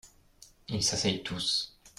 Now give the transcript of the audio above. Ils s’asseyent tous.